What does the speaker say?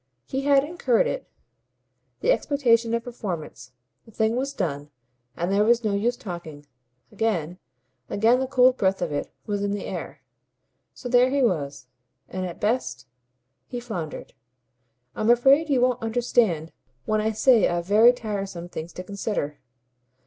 He had incurred it, the expectation of performance; the thing was done, and there was no use talking; again, again the cold breath of it was in the air. So there he was. And at best he floundered. "I'm afraid you won't understand when I say I've very tiresome things to consider.